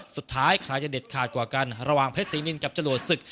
สุดท้ายใครจะเด็ดขาดกว่ากันระหว่างเพชรศรีนินกับจรวดศึก